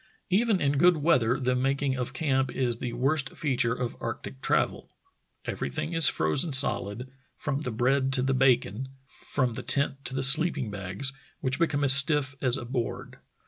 Even in good weather the making of camp is the worst feature of arctic travel. Everything is frozen solid, from the bread to the bacon, from the tent to the sleeping bags, which become as stiff as a board.